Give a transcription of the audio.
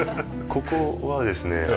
ここはですね